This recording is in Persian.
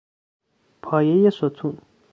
پایهی ستون